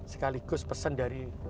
sekaligus pesan dari